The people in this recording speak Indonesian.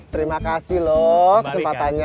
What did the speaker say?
terima kasih loh kesempatannya